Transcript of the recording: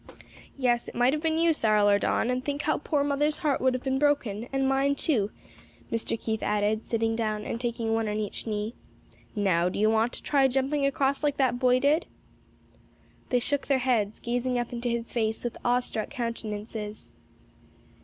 "Yes, it might have been you, Cyril or Don; and think how poor mother's heart would have been broken, and mine too," Mr. Keith added, sitting down and taking one on each knee. "Now do you want to try jumping across like that boy did?" They shook their heads, gazing up into his face with awe struck countenances.